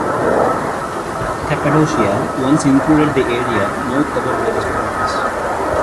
Cappadocia once included the area now covered by this province.